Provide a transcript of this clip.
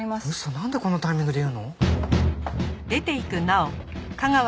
なんでこのタイミングで言うの？